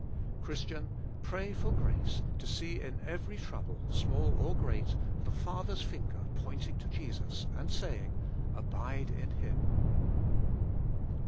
Chris tian! pray for grace to see in every trouble, small or great, the Father's finger pointing to Jesus, and say ing, Abide in Him.